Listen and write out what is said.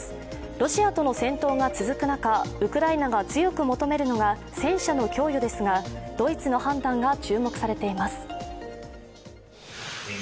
ロシアとの戦闘が続く中、ウクライナが強く求めるのが戦車の供与ですが、ドイツの判断が注目されています。